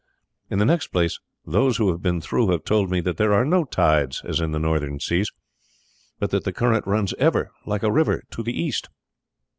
In the next place, those who have been through have told me that there are no tides as in the northern seas, but that the current runs ever like a river to the east."